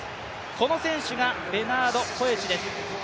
この選手がベナード・コエチです。